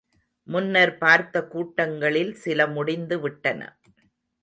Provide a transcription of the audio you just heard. முன்னர் பார்த்த கூட்டங்களில் சில முடிந்துவிட்டன.